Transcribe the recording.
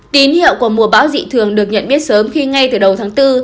tín hiệu của mùa bão dị thường được nhận biết sớm khi ngay từ đầu tháng bốn